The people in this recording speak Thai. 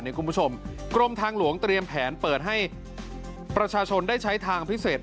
คุณผู้ชมกรมทางหลวงเตรียมแผนเปิดให้ประชาชนได้ใช้ทางพิเศษ